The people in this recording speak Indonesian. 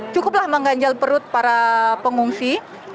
cukuplah mengganjal perut para pengungsi